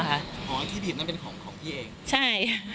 อ๋อที่ผิดนั่นเป็นของพี่เองใช่